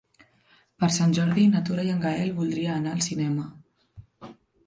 Per Sant Jordi na Tura i en Gaël voldria anar al cinema.